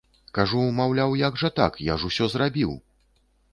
Кажу, маўляў, як жа так, я ж усё зрабіў!